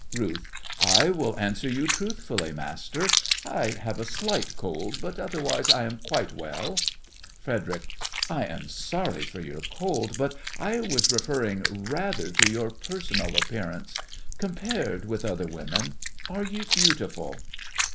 RUTH: I will answer you truthfully, master: I have a slight cold, but otherwise I am quite well. FREDERIC: I am sorry for your cold, but I was referring rather to your personal appearance. Compared with other women, are you beautiful?